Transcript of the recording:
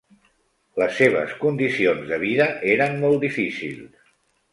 Les seves condicions de vida eren molt difícils.